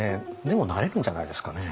でもなれるんじゃないですかね。